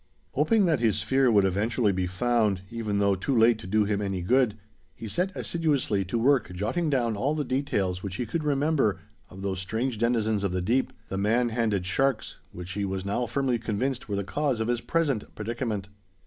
Hoping that his sphere would eventually be found, even though too late to do him any good, he set assiduously to work jotting down all the details which he could remember of those strange denizens of the deep, the man handed sharks, which he was now firmly convinced were the cause of his present predicament.